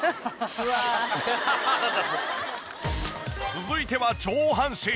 続いては上半身。